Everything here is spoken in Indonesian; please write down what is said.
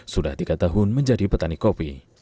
sudah tiga tahun menjadi petani kopi